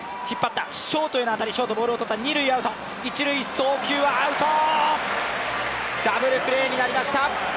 送球はアウト、ダブルプレーになりました。